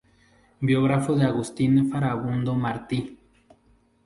Biógrafo de Agustín Farabundo Martí.